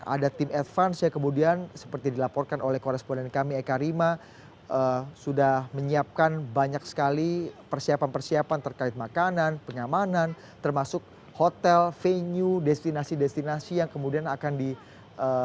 ada tim advance yang kemudian seperti dilaporkan oleh koresponden kami eka rima sudah menyiapkan banyak sekali persiapan persiapan terkait makanan pengamanan termasuk hotel venue destinasi destinasi yang kemudian akan dilalui atau akan dilakukan oleh raja salman